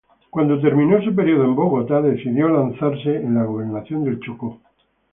Cuando terminó su periodo en Bogotá decidió lanzarse en la gobernación del Chocó.